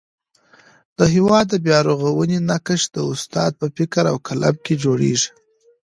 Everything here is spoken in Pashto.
د هېواد د بیارغونې نقشه د استاد په فکر او قلم کي جوړېږي.